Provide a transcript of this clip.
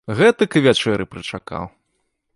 Гэтак і вячэры прычакаў.